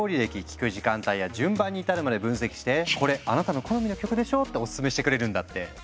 聴く時間帯や順番に至るまで分析して「これあなたの好みの曲でしょ？」ってオススメしてくれるんだって。